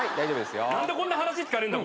何でこんな話聞かねえんだ